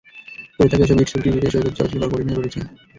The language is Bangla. পড়ে থাকা এসব ইট-সুরকির ভিড়ে সৈকতে চলাচল করা কঠিন হয়ে পড়েছে।